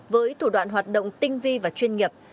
với thủ đoạn hoạt động tinh vi và chuyên nghiệp